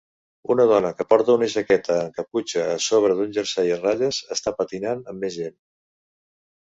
Una dona que porta una jaqueta amb caputxa a sobre d'un jersei a ratlles està patinant amb més gent.